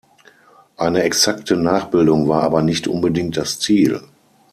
Eine exakte Nachbildung war aber nicht unbedingt das Ziel.